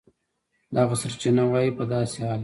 دغه سرچینه وایي په داسې حال کې